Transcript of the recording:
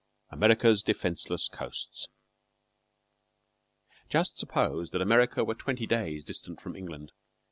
AMERICA'S DEFENCELESS COASTS JUST suppose that America were twenty days distant from England.